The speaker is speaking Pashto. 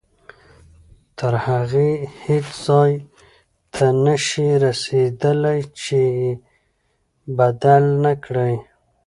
تر هغې هیڅ ځای ته نه شئ رسېدلی چې یې بدل نه کړئ.